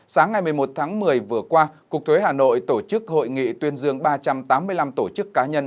sáng ngày một mươi một tháng một mươi vừa qua cục thuế hà nội tổ chức hội nghị tuyên dương ba trăm tám mươi năm tổ chức cá nhân